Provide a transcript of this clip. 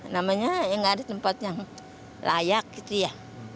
namanya gak ada tempat yang layak gitu ya